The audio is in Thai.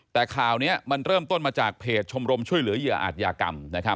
แต่ข่าวนี้มันเริ่มต้นมาจากเพจชมรมช่วยเหลือเหยื่ออาจยากรรม